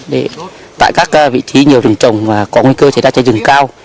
để tại các vị trí nhiều rừng trồng có nguy cơ chữa cháy rừng cao